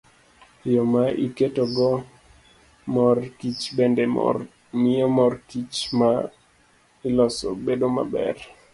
Yo ma iketogo mor kich bende miyo mor kich ma iloso bedo maber.